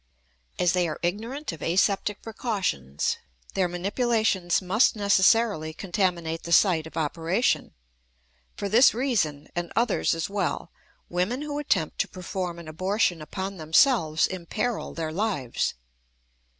As they are ignorant of aseptic precautions, their manipulations must necessarily contaminate the site of operation; for this reason and others as well women who attempt to perform an abortion upon themselves imperil their lives.